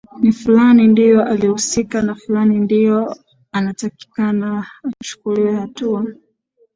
na fulani ndio alihusika na fulani ndio anatakikana achukuliwe hatua